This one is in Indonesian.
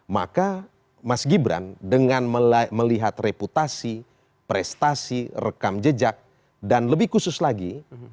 maka mas gibran dengan melihat reputasi prestasi rekam jejak dan lebih khusus lagi